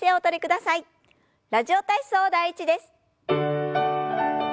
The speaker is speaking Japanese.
「ラジオ体操第１」です。